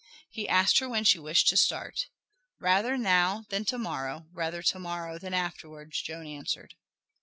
He asked her when she wished to start. "Rather now than to morrow, rather to morrow than afterwards," Joan answered.